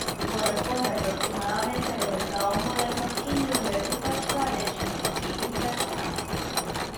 Corresponde aproximadamente a los estados modernos indios de Uttar Pradesh y Uttarakhand.